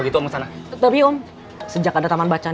tapi om sejak ada taman bacaan